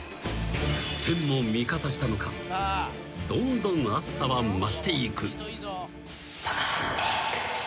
［天も味方したのかどんどん暑さは増していく］